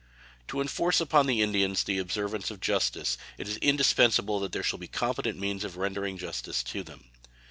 To enforce upon the Indians the observance of justice it is indispensable that there shall be competent means of rendering justice to them.